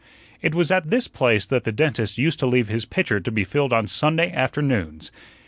It was at this place that the dentist used to leave his pitcher to be filled on Sunday afternoons.